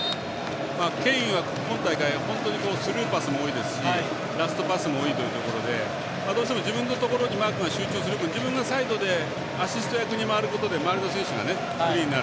ケインは今大会、本当にスルーパスも多いですしラストパスも多いというところで自分のところにマークが集中する分自分がサイドでアシスト役に回ることで周りの選手がフリーになる。